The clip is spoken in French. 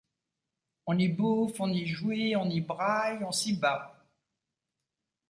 On y bouffe, on y jouit, on y braille, on s’y bat.